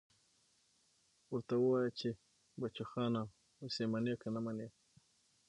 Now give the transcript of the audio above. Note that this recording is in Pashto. ورته ووايه چې بچوخانه اوس يې منې که نه منې.